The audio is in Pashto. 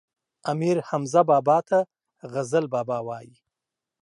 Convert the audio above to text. امير حمزه بابا ته غزل بابا وايي